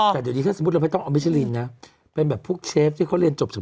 แต่ดีดีถ้าสมมุติเราไม่ต้องเอานะเป็นแบบผู้เชฟที่เขาเรียนจบจาก